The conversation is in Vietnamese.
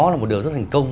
là một điều rất thành công